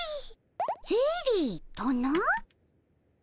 ゼリーとな。